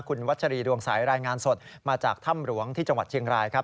คุณวัชรีดวงสายรายงานสดมาจากถ้ำหลวงที่จังหวัดเชียงรายครับ